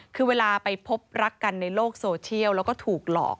คือเวลาไปพบรักกันในโลกโซเชียลแล้วก็ถูกหลอก